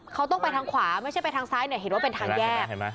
เขาต้องไปทางขวาไม่ใช่ไปทางซ้ายเนี่ยเห็นว่าเป็นทางแยก